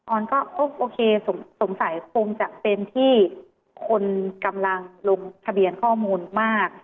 อนก็โอเคสงสัยคงจะเป็นที่คนกำลังลงทะเบียนข้อมูลมาก